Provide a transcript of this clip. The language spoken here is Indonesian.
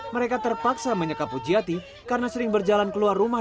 mereka terpaksa menyekap puji hati karena sering berjalan keluar rumah